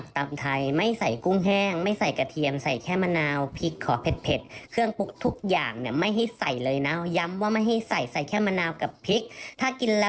ตอนนี้ออกมาแล้วลูกค้าก็โทรกลับมาด่าทางร้านนะครับว่า